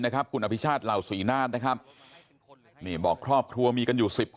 นะครับกุญภิชาษต์เหล่าสี่นาถนะครับพี่บอกครอบครัวมีกันอยู่๑๐